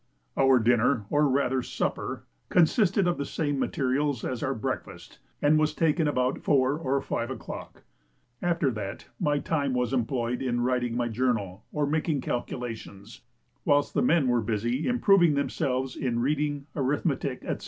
Our dinner, or rather supper, consisted of the same materials as our breakfast, and was taken about 4 or 5 o'clock; after that, my time was employed in writing my journal or making calculations; whilst the men were busy improving themselves in reading, arithmetic, &c.